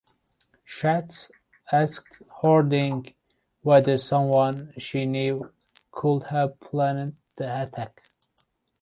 Schatz asked Harding whether someone she knew could have planned the attack.